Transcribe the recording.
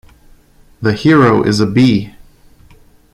The hero is a bee!